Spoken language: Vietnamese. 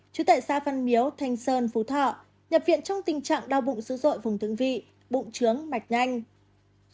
chứ tại xa văn miếu thanh sơn phú thọ nhập viện trong tình trạng đau bụng dữ dội vùng thương vị bụng trướng mạch nhanh